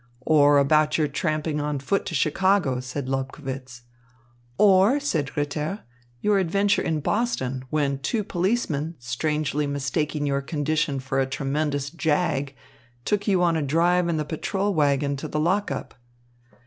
"Or about your tramping on foot to Chicago," said Lobkowitz. "Or," said Ritter, "your adventure in Boston, when two policemen, strangely mistaking your condition for a tremendous jag, took you on a drive in the patrol wagon to the lock up."